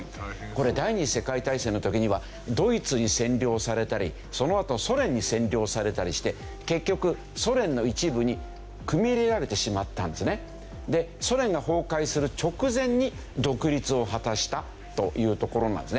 これ第２次世界大戦の時にはドイツに占領されたりそのあとソ連に占領されたりして結局でソ連が崩壊する直前に独立を果たしたというところなんですね。